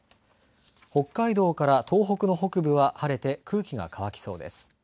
北海道から東北の北部は晴れて空気が乾きそうです。